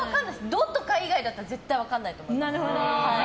ドとか以外だったら絶対に分からないと思います。